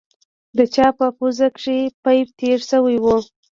د چا په پوزه کښې پيپ تېر سوى و.